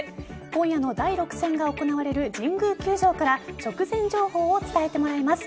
今夜の第６戦が行われる神宮球場から直前情報を伝えてもらいます。